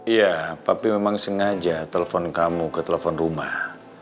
iya tapi memang sengaja telepon kamu ke telepon rumah